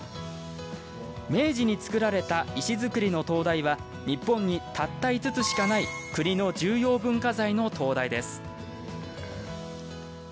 明治に造られた石造りの灯台は日本に、たった５つしかない国の重要文化財の灯台です。